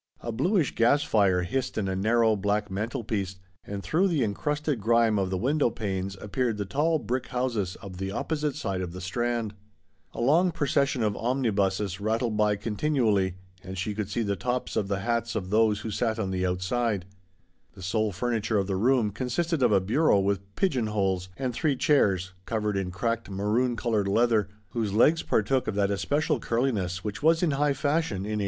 A bluish gas fire hissed in a narrow, black man telpiece, and through the encrusted grime of the window panes appeared the tall brick houses of the opposite side of the Strand. A long procession of omnibuses rattled by 136 THE 8T0BT OF A MODERN WOMAN. continually, and she could see the tops of the hats of those who sat on the outside. The sole furniture of the room consisted of a bureau with pigeon holes, and three chairs covered in cracked maroon coloured leather, whose legs partook of that especial curliness which was in high fashion in 1860.